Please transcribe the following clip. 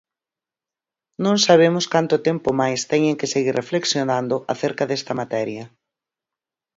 Non sabemos canto tempo máis teñen que seguir reflexionando acerca desta materia.